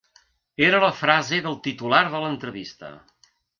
Era la frase del titular de l’entrevista.